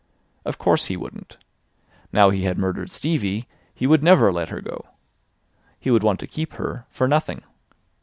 Of course he wouldn't. Now he had murdered Stevie he would never let her go. He would want to keep her for nothing.